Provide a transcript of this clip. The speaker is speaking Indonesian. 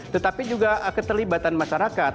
tetapi juga keterlibatan masyarakat